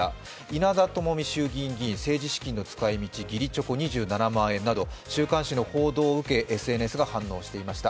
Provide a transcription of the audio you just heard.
稲田朋美衆議院議員、政治資金の使い道、義理チョコ２７万円など週刊紙の報道を受け、ＳＮＳが反応していました。